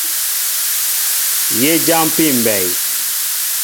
Yé jáámpí mbɛy.